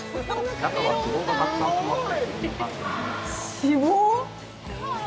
脂肪！？